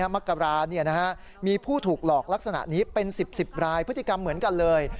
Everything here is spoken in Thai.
มกรามีผู้ถูกหลอกลักษณะนี้เป็น๑๐๑๐รายพฤติกรรมเหมือนกันเลย